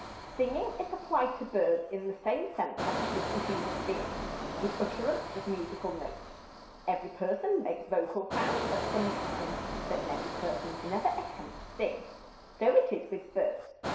Singing is applied to birds in the same sense that it is to human beings the utterance of musical notes. Every person makes vocal sounds of some kind, but many persons never attempt to sing. So it is with birds.